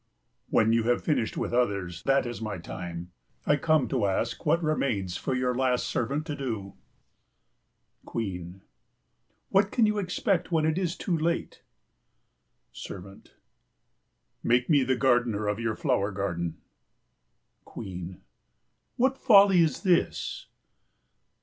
When you have finished with others, that is my time. I come to ask what remains for your last servant to do. QUEEN. What can you expect when it is too late? SERVANT. Make me the gardener of your flower garden. QUEEN. What folly is this?